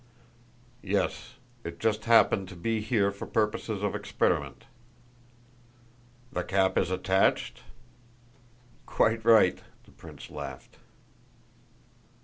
"Yes. It just happened to be here for purposes of experiment." "The cap is attached?" "Quite right." The prince laughed.